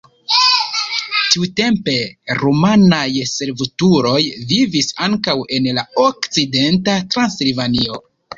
Tiutempe rumanaj servutuloj vivis ankaŭ en la okcidenta Transilvanio.